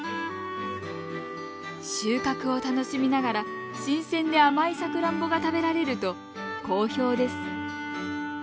収穫を楽しみながら新鮮で甘いさくらんぼが食べられると好評です。